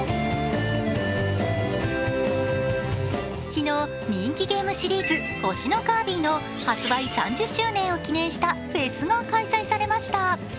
昨日、人気ゲームシリーズ「星のカービィ」の発売３０周年を記念したフェスが開催されました。